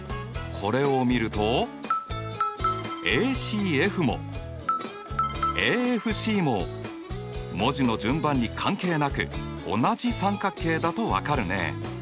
これを見るとＡＣＦもＡＦＣも文字の順番に関係なく同じ三角形だと分かるね。